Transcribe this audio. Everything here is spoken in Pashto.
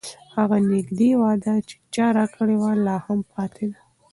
هغه نږدې وعده چې چا راکړې وه، لا هم پاتې ده.